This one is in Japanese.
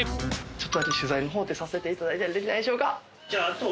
ちょっとだけ取材の方ってさせていただいたりできないでしょうか？